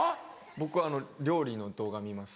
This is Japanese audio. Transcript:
僕あの料理の動画見ます。